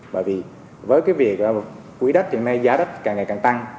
bởi vì với việc quy đắc hiện nay giá đất càng ngày càng tăng